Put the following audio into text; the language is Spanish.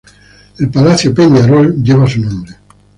El Palacio Peñarol lleva su nombre.